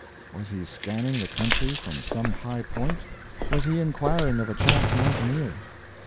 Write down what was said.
Was he scanning the country from some high point? Was he inquiring of a chance mountaineer?